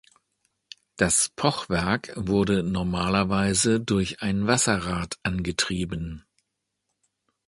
Das Pochwerk wurde normalerweise durch ein Wasserrad angetrieben.